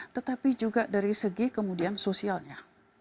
tetapi juga dari segi kemudian sosialnya